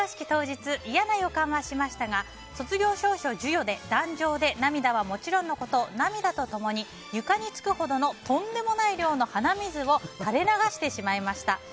当日嫌な予感がしましたが卒業証書授与で、壇上で涙はもちろんのこと涙と共に床につくほどのとんでもない量の鼻水を垂れ流してしまいました。